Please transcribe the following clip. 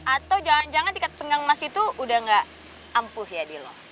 atau jangan jangan tiket senggang emas itu udah gak ampuh ya di lo